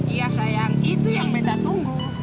iya sayang itu yang mereka tunggu